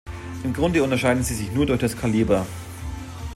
Im Grunde unterschieden sie sich nur durch das Kaliber.